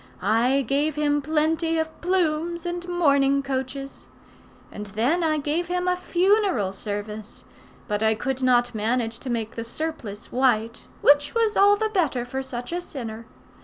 I gave him plenty of plumes and mourning coaches. And then I gave him a funeral service, but I could not manage to make the surplice white, which was all the better for such a sinner.